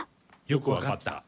よく分かった。